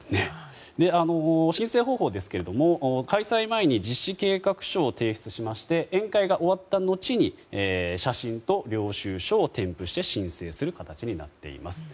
申請方法ですが、開催前に実施計画書を提出しまして宴会が終わったのちに写真と領収書を添付して申請する形になっています。